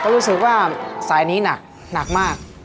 รู้สึกว่าสายนี้หนักหนักมาก